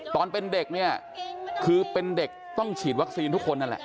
ตอนเป็นเด็กเนี่ยคือเป็นเด็กต้องฉีดวัคซีนทุกคนนั่นแหละ